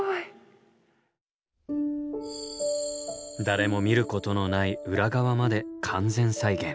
誰も見ることのない裏側まで完全再現。